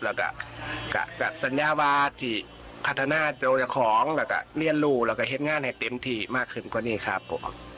แล้วก็สัญญาบาทที่พัฒนาเจ้าของแล้วก็เรียนรู้แล้วก็เห็นงานให้เต็มที่มากขึ้นกว่านี้ครับผม